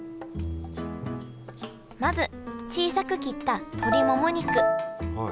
まず小さく切った鶏もも肉。